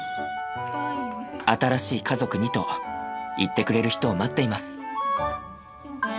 新しい家族にと言ってくれる人を待っています。